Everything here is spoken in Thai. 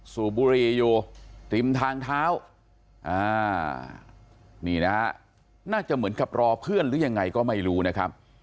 สูบบุหรี่อยู่ติมทางเท้านี่นะฮะน่าจะเหมือนกับรอเพื่อนหรือยังไงก็ไม่รู้นะครับ